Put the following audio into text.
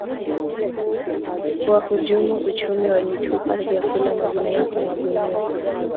wahujumu uchumi walitupa vyakula magunia kwa magunia